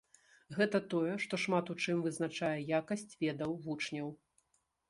Гэта тое, што шмат у чым вызначае якасць ведаў вучняў.